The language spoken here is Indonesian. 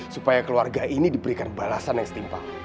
supaya keluarga ini diberikan balasan yang setimpal